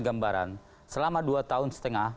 gambaran selama dua tahun setengah